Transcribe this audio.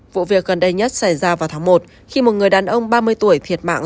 vụ việc gần đây nhất xảy ra vào tháng một khi một người đàn ông ba mươi tuổi thiệt mạng